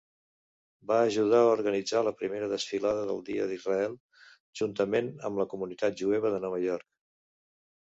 Va ajudar a organitzar la primera desfilada del Dia d'Israel juntament amb la comunitat jueva de Nova York.